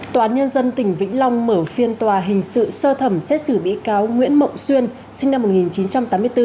tòa án nhân dân tỉnh vĩnh long mở phiên tòa hình sự sơ thẩm xét xử bị cáo nguyễn mộng xuyên sinh năm một nghìn chín trăm tám mươi bốn